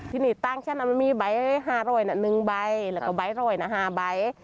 ที่นี่ต่างฉันมันมีใบ๕๐๐หนึ่งใบแล้วก็๕๐๐หนึ่ง๕ใบ